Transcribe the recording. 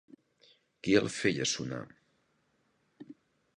Qui el feia sonar?